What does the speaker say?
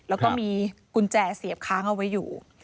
แล้วก็มีกุญแจเสียบค้างเอาไว้อยู่